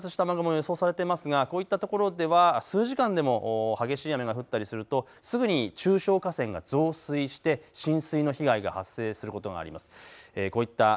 黄色い発達した雨雲が予想されていますがこういったところでは数時間でも激しい雨が降ったりするとすぐに中小河川が増水して浸水の被害が発生することがあります。